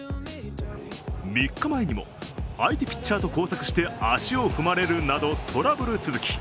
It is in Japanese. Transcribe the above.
３日前にも、相手ピッチャーと交錯して足を踏まれるなどトラブル続き。